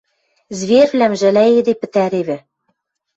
Зверьвлӓм жӓлӓйӹде пӹтӓревӹ.